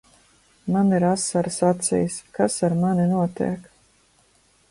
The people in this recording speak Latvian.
Man ir asaras acīs. Kas ar mani notiek?